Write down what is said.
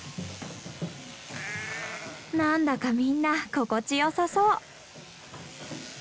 なんだかみんな心地よさそう。